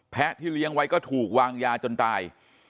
ที่เลี้ยงไว้ก็ถูกวางยาจนตาย